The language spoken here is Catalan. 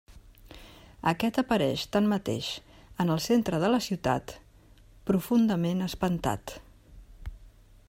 Aquest apareix tanmateix en el centre de la ciutat, profundament espantat.